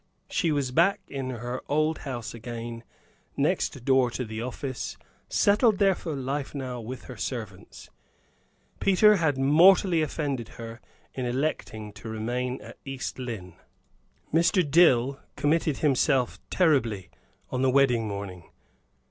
She was back in her old house again, next door to the office, settled there for life now with her servants. Peter had mortally offended her in electing to remain at East Lynne. Mr. Dill committed himself terribly on the wedding morning.